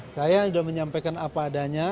saya sudah menyampaikan apa adanya